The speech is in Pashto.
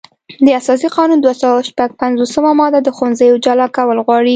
د اساسي قانون دوه سوه شپږ پنځوسمه ماده د ښوونځیو جلا کول غواړي.